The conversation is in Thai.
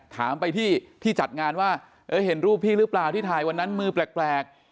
ถามไปที่จัดงานว่าเห็นรูปพี่หรือเปล่าที่ถ่ายวันนั้นมือแปลก